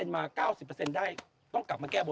๑๐๐มา๙๐ได้ต้องกลับมาแก้บทุ่ม